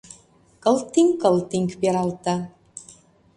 Кылтиҥ-кылтиҥ пералта